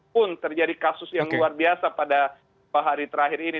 pun terjadi kasus yang luar biasa pada hari terakhir ini